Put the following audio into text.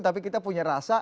tapi kita punya rasa